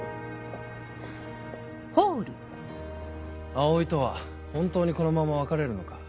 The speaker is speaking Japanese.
葵とは本当にこのまま別れるのか？